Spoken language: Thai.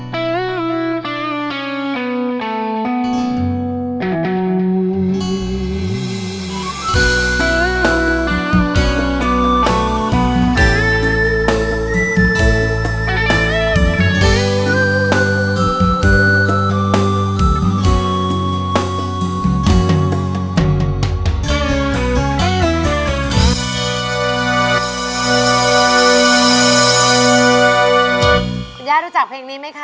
คุณย่ารู้จักเพลงนี้ไหมคะ